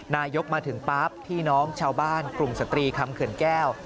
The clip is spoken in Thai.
นายกมาถึงปั๊บพี่น้องชาวบ้านกลุ่มสตรีคำเขื่อนแก้ว